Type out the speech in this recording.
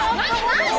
何！？